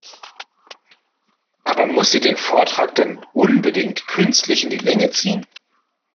Aber muss sie den Vortrag denn unbedingt künstlich in die Länge ziehen?